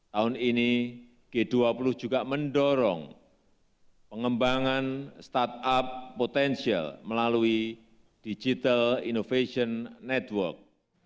tahun ini g dua puluh juga mendorong pengembangan startup potensial melalui digital innovation network